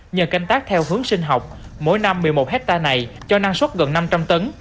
nhờ canh tác theo hướng sinh học mỗi năm một mươi một hectare này cho năng suất gần năm trăm linh tấn